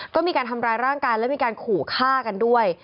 ก็มีการทำร้ายร่างกายและมีการขู่ฆ่ากันด้วย